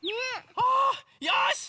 あよしっ！